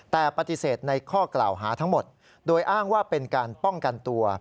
แต่ปฏิเสธในข้อกล่าวหาทั้งหมดโดยอ้างว่าเป็นการป้องกันตัว